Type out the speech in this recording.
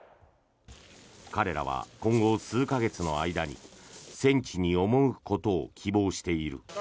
彼らは今後数か月の間に戦地に赴くことを希望している。